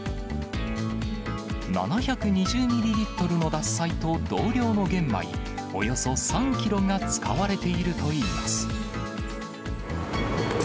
７２０ミリリットルの獺祭と同量の玄米、およそ３キロが使われているといいます。